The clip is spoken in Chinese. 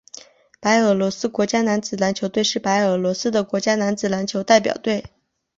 白俄罗斯国家男子篮球队是白俄罗斯的国家男子篮球代表队。